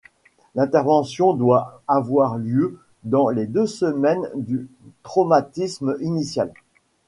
L'intervention doit avoir lieu dans les deux semaines du traumatisme initial.